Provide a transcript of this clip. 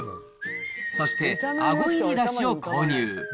そしてあご入りだしを購入。